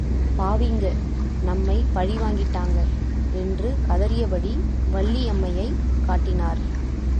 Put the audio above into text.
பாவிங்க நம்மை பழிவாங்கிட்டாங்க, என்று கதறியபடி வள்ளியம்மையை காட்டினர்.